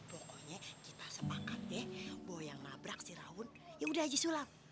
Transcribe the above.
pokoknya kita sepakat bahwa yang nabrak si rawon ya sudah aja sulap